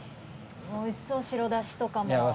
おいしそう白だしとかも。